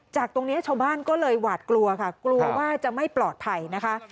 จากตรงนี้ชาวบ้านก็เลยหวาดกลัวค่ะกลัวว่าจะไม่ปลอดภัยนะคะ